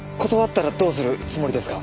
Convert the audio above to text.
断ったらどうするつもりですか？